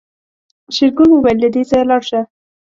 شېرګل وويل له دې ځايه لاړه شه.